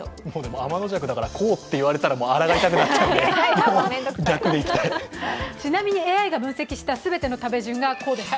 あまのじゃくだからこうって言われたらあらがいたくなっちゃうのでちなみにＡＩが分析した全ての食べ順はこうです。